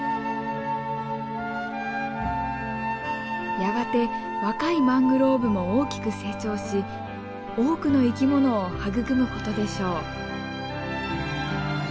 やがて若いマングローブも大きく成長し多くの生き物を育むことでしょう。